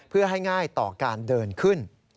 เพื่อให้ง่ายต่อการเดินขึ้น